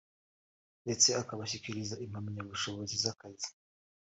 ndetse akabashyikiza impamyabushobozi z’akazi